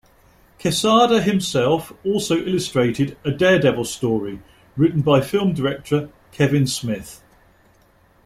Quesada himself also illustrated a "Daredevil" story written by film director Kevin Smith.